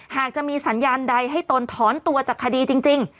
หากจะมีสัญญาณใดให้ตนถอนตัวจากคดีจริง